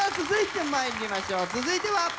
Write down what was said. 続いてまいりましょう続いては？